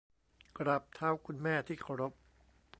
กราบเท้าคุณแม่ที่เคารพ